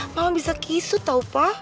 mama bisa kisut tau pa